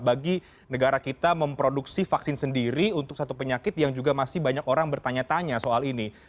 bagi negara kita memproduksi vaksin sendiri untuk satu penyakit yang juga masih banyak orang bertanya tanya soal ini